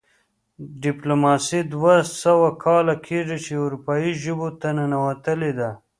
ډیپلوماسي دوه سوه کاله کیږي چې اروپايي ژبو ته ننوتلې ده